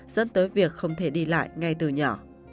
dẫn tới việc không thể đi lại ngay từ nhỏ